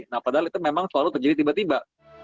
nah padahal itu memang selalu terjadi tiba tiba